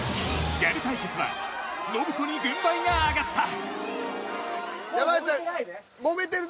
ギャル対決は信子に軍配が上がった山内さん